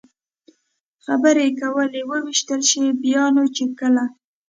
خبرې کولې، ووېشتل شي، بیا نو چې کله.